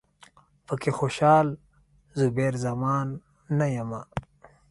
پکې خوشال، زبیر زمان نه یمه